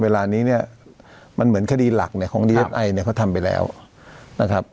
เวลานี้เนี่ยมันเหมือนคดีหลักเนี่ยของดีเอสไอเนี่ยเขาทำไปแล้วนะครับ